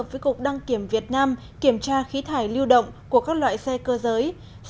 từ cuối tháng một mươi năm hai nghìn một mươi chín thanh tra sở dụng máy atm tại các tụ điểm giải trí